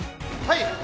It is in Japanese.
はい。